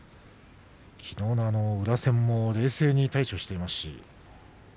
きのうの宇良戦も冷静に対処しました。